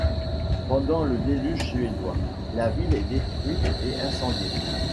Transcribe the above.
Pendant le Déluge suédois, la ville est détruite et incendiée.